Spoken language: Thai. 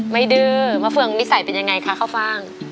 ดื้อมะเฟืองนิสัยเป็นยังไงคะข้าวฟ่าง